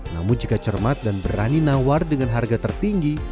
namun jika cermat dan berani nawar dengan harga tertinggi